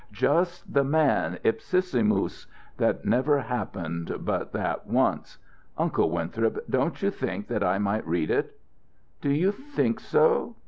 Just the man, ipsissimus, that never happened but that once. Uncle Winthrop, don't you think that I might read it?" "Do you think so?